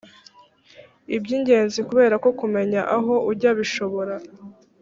iby’ingenzi kubera ko kumenya aho ujya bishobora